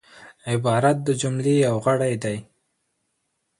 عبارت د جملې یو غړی دئ.